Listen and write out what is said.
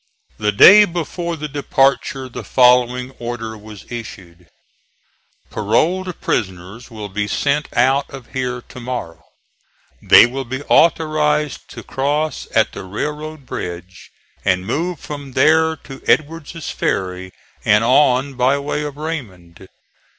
The day before the departure the following order was issued: "Paroled prisoners will be sent out of here to morrow. They will be authorized to cross at the railroad bridge, and move from there to Edward's Ferry, (*14) and on by way of Raymond.